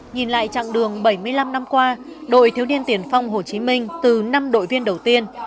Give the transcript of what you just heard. nhìn lại chặng đường bảy mươi năm năm qua đội thiếu niên tiền phong hồ chí minh từ năm đội viên đầu tiên